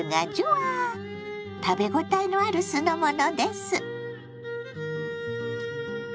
食べ応えのある酢の物です。